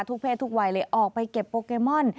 เพศทุกวัยเลยออกไปเก็บโปเกมอน